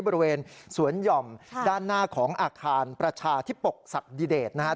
บริเวณสวนหย่อมด้านหน้าของอาคารประชาธิปกศักดิเดตนะครับ